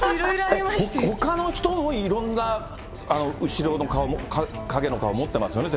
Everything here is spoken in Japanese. ほかの人のいろんな後ろの顔、陰の顔を持ってますよね。